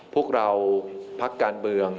พวกเราพักการเมือง